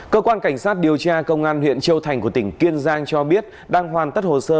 cơ quan cảnh sát điều tra công an huyện châu thành của tỉnh kiên giang cho biết đang hoàn tất hồ sơ